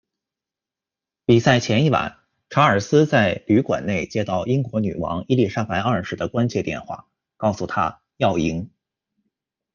比赛前一晚，查尔斯在旅馆内接到英国女王伊莉莎白二世的关切电话，告诉他「要赢」。